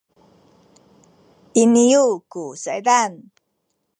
iniyu ku saydan